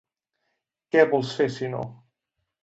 Què vols fer, sinó?